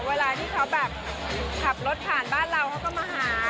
เวลาที่เขาแบบขับรถผ่านบ้านเราเขาก็มาหา